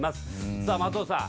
さあ松尾さん